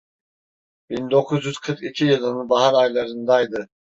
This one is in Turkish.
Bin dokuz yüz kırk iki yılının bahar aylarındaydı.